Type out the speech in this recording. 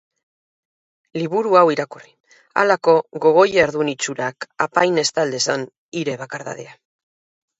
Liburu hau irakurri, halako gogo-jardun itxurak apain-estal dezan hire bakardadea.